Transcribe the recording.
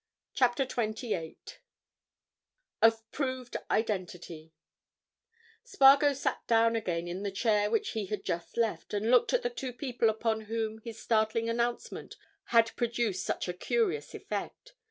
CHAPTER TWENTY EIGHT OF PROVED IDENTITY Spargo sat down again in the chair which he had just left, and looked at the two people upon whom his startling announcement had produced such a curious effect.